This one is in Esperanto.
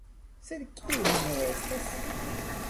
Sed kiu li nu estas?.